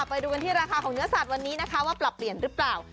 ไปดูกันที่ราคาของเนื้อสัตว์วันนี้นะคะว่าปรับเปลี่ยนหรือเปล่า